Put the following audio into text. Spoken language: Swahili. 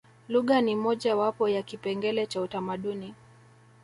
lugha ni moja wapo ya kipengele cha utamaduni